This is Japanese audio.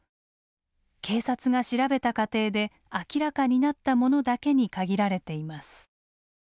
警察が調べた過程で明らかになったものだけに限られています。